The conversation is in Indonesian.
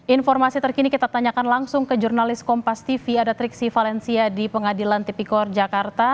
informasi terkini kita tanyakan langsung ke jurnalis kompas tv adatriksi valencia di pengadilan tipikor jakarta